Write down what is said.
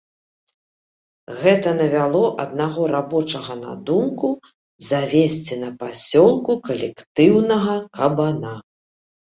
Гэта навяло аднаго рабочага на думку завесці на пасёлку калектыўнага кабана.